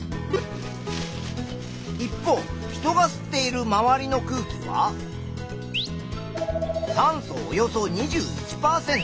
一方人が吸っているまわりの空気は酸素およそ２１％。